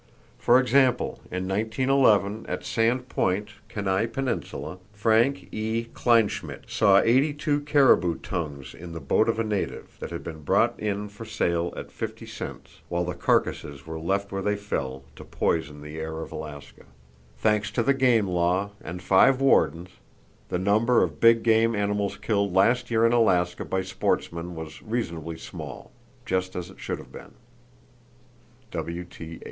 For example: In 1911 at Sand Point, Kenai Peninsula, Frank E. Kleinchmidt saw 82 caribou tongues in the boat of a native, that had been brought in for sale at 50 cents, while the carcasses were left where they fell, to poison the air of Alaska. Thanks to the game law, and five wardens, the number of big game animals killed last year in Alaska by sportsmen was reasonably small,—just as it should have been.